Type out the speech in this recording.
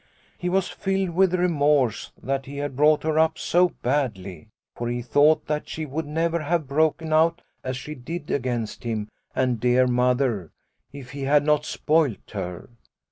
He was filled with remorse that he had brought her up so badly. For he thought that she would never have broken out as she did against him and dear Mother if he had not spoilt her.